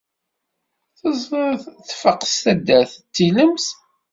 Teẓriḍ, tfaq s taddart d tilemt!